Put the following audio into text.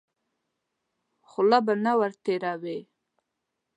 خوله به نه ور تېروې.